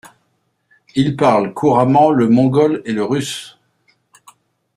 Il parle couramment le mongol et le russe.